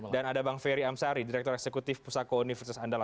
dan ada bang ferry amsari direktur eksekutif pusako universitas andala